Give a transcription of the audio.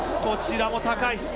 こちらも高い。